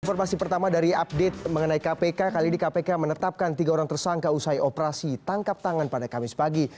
informasi pertama dari update mengenai kpk kali ini kpk menetapkan tiga orang tersangka usai operasi tangkap tangan pada kamis pagi